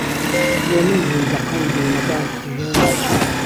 بۆ من بووی به قهند و نهبات ژیانی کچم